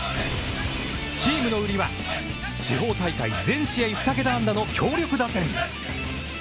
チームの売りは地方大会全試合２桁安打の強力打線。